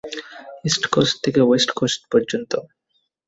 East coast থেকে west coast পর্যন্ত।